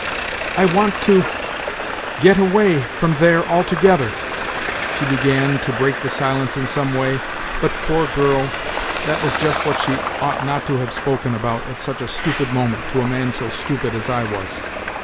" I want to ... get away ... from there altogether," she began, to break the silence in some way, but, poor girl, that Avaa just what she ought not to have spoken about at such a stupid moment to a man so stupid as I was.